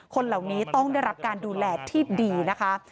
คนเหล่านี้ต้องได้รับการดูแลที่ดีนะคะ